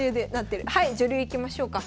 はい女流いきましょうか。